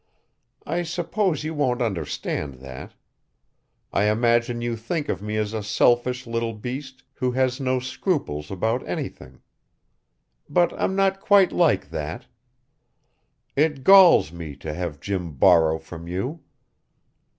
I suppose you won't understand that. I imagine you think of me as a selfish little beast who has no scruples about anything. But I'm not quite like that. It galls me to have Jim borrow from you.